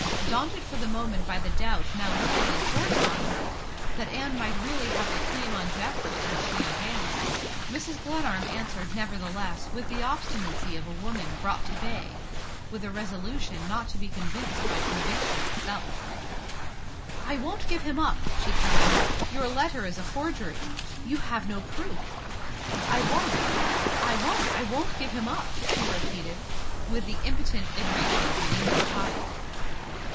Daunted for the moment by the doubt now literally forced on her, that Anne might really have the claim on Geoffrey which she advanced, Mrs. Glenarm answered nevertheless with the obstinacy of a woman brought to bay with a resolution not to be convinced by conviction itself. "I won't give him up!" she cried. "Your letter is a forgery. You have no proof. I won't, I won't, I won't give him up!" she repeated, with the impotent iteration of an angry child.